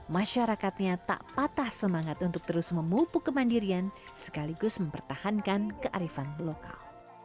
masyarakatnya tak patah semangat untuk terus memupuk kemandirian sekaligus mempertahankan kearifan lokal